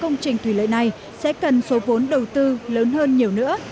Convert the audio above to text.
công trình thủy lợi này sẽ cần số vốn đầu tư lớn hơn nhiều nữa